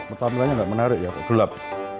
nasi mendirnya tidak menarik ya gelap